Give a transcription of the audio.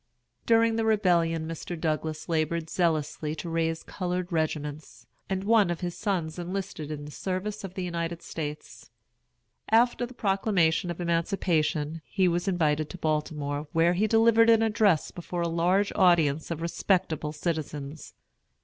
During the Rebellion Mr. Douglass labored zealously to raise colored regiments, and one of his sons enlisted in the service of the United States. After the Proclamation of Emancipation he was invited to Baltimore, where he delivered an address before a large audience of respectable citizens.